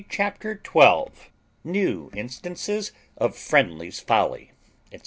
CHAPTER TWELVE NEW INSTANCES OF FRIENDLY'S FOLLY, ETC.